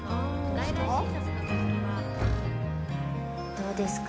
どうですか？